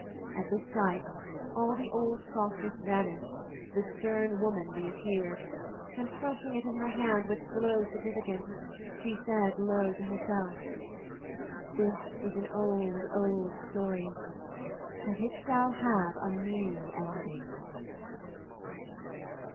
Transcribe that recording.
At this sight all the softness vanished, the stern woman reappeared, and, crushing it in her hand with slow significance, she said low to herself, "This is an old, old story, but it shall have a new ending."